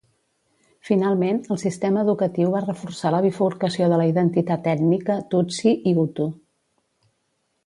Finalment, el sistema educatiu va reforçar la bifurcació de la identitat ètnica tutsi i hutu.